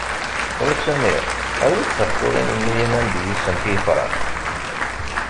Wa Samir awi-d taqqurin-nni ad nandi yis-sent i yefrax!